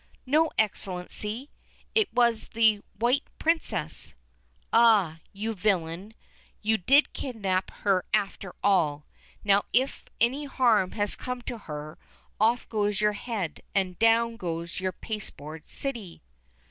"No, Excellency, it was the white Princess." "Ah, you villain, you did kidnap her after all. Now if any harm has come to her, off goes your head, and down goes your pasteboard city."